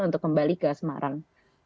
untuk kembali ke semarang